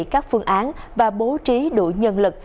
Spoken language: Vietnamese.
các phương án và bố trí đủ nhân lực